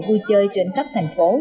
vui chơi trên các thành phố